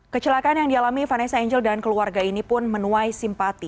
kecelakaan yang dialami vanessa angel dan keluarga ini pun menuai simpati